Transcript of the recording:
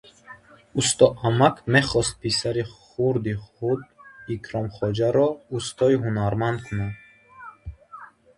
Усто амак мехост писари хурди худ – Икромхоҷаро устои ҳунарманд кунад.